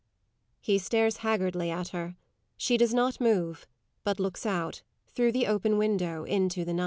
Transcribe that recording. [_He stares haggardly at her; she does not move, but looks out, through the open window, into the night.